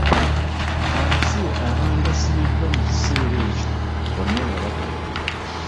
Abasibe abaali basibiddwa mu kiseera ekyo bonna yabata.